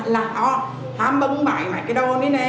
là họ ham bấn bại mấy cái đồ này nè